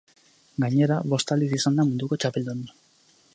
Gainera, bost aldiz izan da munduko txapeldun.